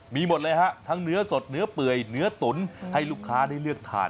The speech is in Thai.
มีหมดเลยฮะทั้งเนื้อสดเนื้อเปื่อยเนื้อตุ๋นให้ลูกค้าได้เลือกทาน